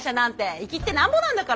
イキってなんぼなんだから。